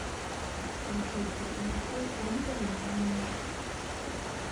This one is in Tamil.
ஓட்டைக் கப்பலுக்கு ஒன்பது மாலுமி.